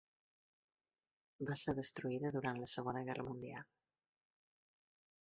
Va ser destruïda durant la Segona Guerra Mundial.